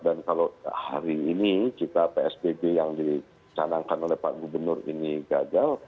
dan kalau hari ini psbg yang dicanangkan oleh pak gubernur ini gagal